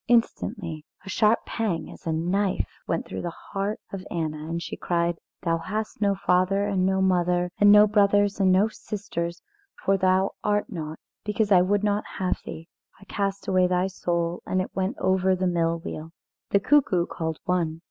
Instantly a sharp pang as a knife went through the heart of Anna, and she cried: "Thou hast no father and no mother and no brothers and no sisters, for thou art not, because I would not have thee. I cast away thy soul, and it went over the mill wheel." The cuckoo called one.